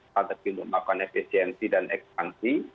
strategi untuk melakukan efisiensi dan ekspansi